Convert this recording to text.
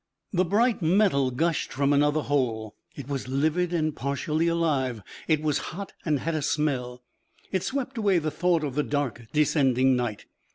The bright metal gushed from another hole. It was livid and partially alive; it was hot and had a smell; it swept away the thought of the dark descending night.